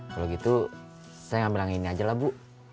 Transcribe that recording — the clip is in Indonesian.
kalau gitu saya ngambil yang ini aja lah bu